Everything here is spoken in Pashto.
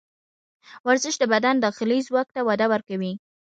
ورزش د بدن داخلي ځواک ته وده ورکوي.